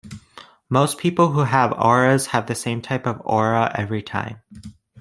Most people who have auras have the same type of aura every time.